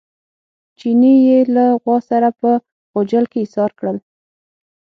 چیني یې له غوا سره په غوجل کې ایسار کړل.